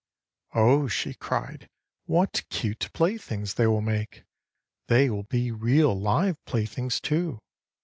"Oh!" she cried, "what cute playthings they will make! They will be real live playthings, too.